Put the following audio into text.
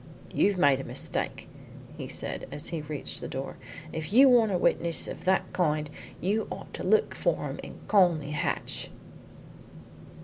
"You've made a mistake," he said, as he reached the door. "If you want a witness of that kind you ought to look for him in Colney Hatch."